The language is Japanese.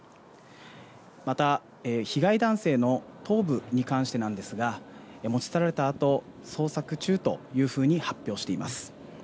また、被害男性の頭部に関してなんですが、持ち去られたあと、捜索中というふうに発表しています。